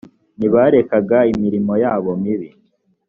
ntibarekaga imirimo yabo mibi